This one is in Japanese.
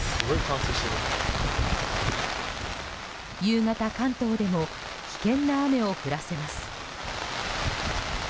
夕方、関東でも危険な雨を降らせます。